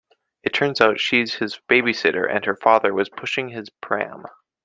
It turns out she's his babysitter and her father was pushing his pram.